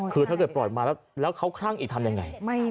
คือถ้าโดยปล่อยมาแล้วเขาข้างอีกทำอย่างไร